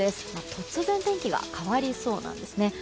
突然、天気が変わりそうなんですね。